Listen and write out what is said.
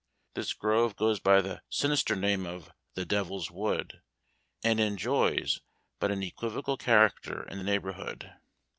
This grove goes by the sinister name of "the Devil's Wood," and enjoys but an equivocal character in the neighborhood.